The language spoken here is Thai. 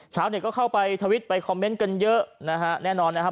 เช้าก็เข้าไปทวิทย์ถอยคอมเม้นต์กันเยอะนะครับแน่นอนนะครับ